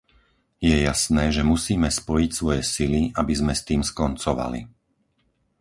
Je jasné, že musíme spojiť svoje sily, aby sme s tým skoncovali.